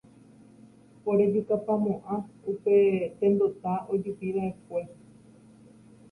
orejukapamo'ã upe tendota ojupiva'ekue